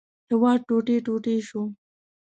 هېواد ټوټې ټوټې شو.